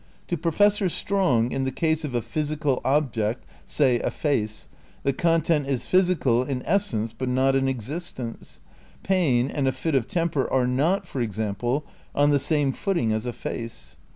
To Professor Strong, in the case of a physi cal object, say, a face, the content is physical in essence but not in existence.^ Pain and a fit of temper are not, for example, on the same footing as a face.